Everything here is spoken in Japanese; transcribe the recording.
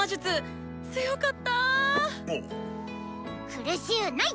苦しゅうない！